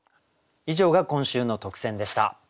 以上が今週の特選でした。